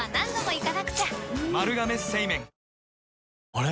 あれ？